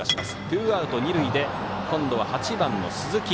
ツーアウト、二塁で今度は８番の鈴木。